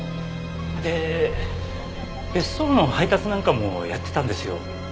で別荘の配達なんかもやってたんですよ。